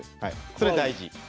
それ大事。